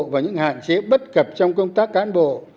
và những hạn chế bất cập trong công tác cán bộ